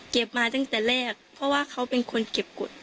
มาตั้งแต่แรกเพราะว่าเขาเป็นคนเก็บกฎ